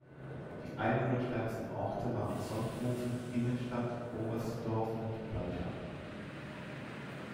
Die einwohnerstärksten Orte waren Sonthofen, Immenstadt, Oberstdorf und Blaichach.